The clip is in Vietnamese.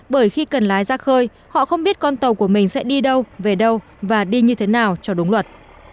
bởi khi cần lái ra khơi họ không biết con tàu của mình sẽ đi đâu về đâu và đi như thế nào cho đúng luật